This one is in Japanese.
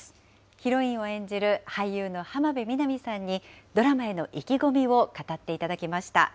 ヒロインを演じる俳優の浜辺美波さんにドラマへの意気込みを語っていただきました。